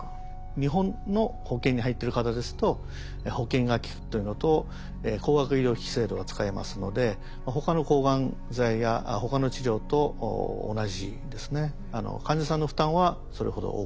日本の保険に入ってる方ですと保険がきくというのと高額医療費制度が使えますので他の抗がん剤や他の治療と同じですね。